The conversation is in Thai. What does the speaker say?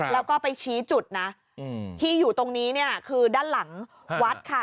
แล้วก็ไปชี้จุดนะที่อยู่ตรงนี้เนี่ยคือด้านหลังวัดค่ะ